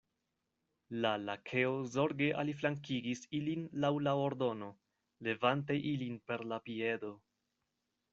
La Lakeo zorge aliflankigis ilin laŭ la ordono, levante ilin per la piedo.